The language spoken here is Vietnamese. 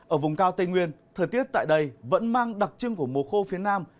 ở vùng cao tây nguyên thời tiết tại đây vẫn mang đặc trưng của mùa khô phía nam